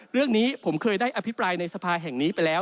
เรื่องนี้ผมเคยได้อภิปรายในสภาแห่งนี้ไปแล้ว